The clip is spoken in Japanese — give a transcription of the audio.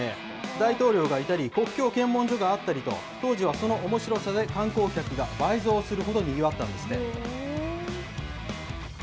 大統領がいたり、国境検問所があったりと、当時はそのおもしろさで観光客が倍増するほどにぎわったんですね。